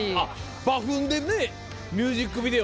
馬糞でねミュージックビデオ。